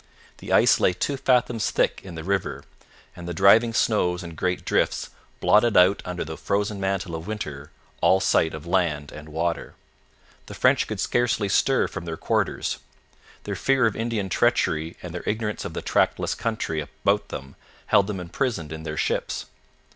The ice lay two fathoms thick in the river, and the driving snows and great drifts blotted out under the frozen mantle of winter all sight of land and water. The French could scarcely stir from their quarters. Their fear of Indian treachery and their ignorance of the trackless country about them held them imprisoned in their ships.